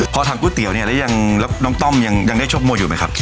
พอทานก๋วยเตี๋ยวเนี่ยแล้วยังแล้วน้องต้อมยังได้ชกมวยอยู่ไหมครับ